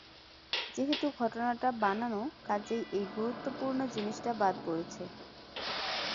যেহেতু ঘটনাটা বানান, কাজেই এই গুরুত্বপূর্ণ জিনিসটা বাদ পড়েছে।